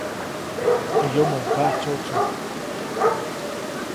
Teʼ yomoʼuŋ kaʼtsyotsu.